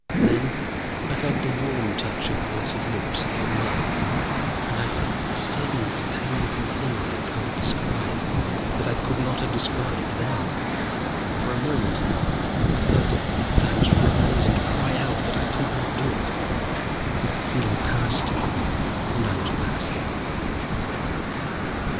Then I felt the warm touch of Alice's lips upon mine, and I felt sudden painful things I cannot describe, that I could not have described then. For a moment I felt that I must rise and cry out that I could not do it. But the feeling passed, and I was passive.